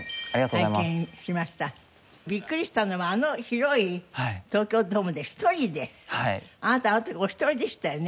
ビックリしたのはあの広い東京ドームで一人であなたあの時お一人でしたよね。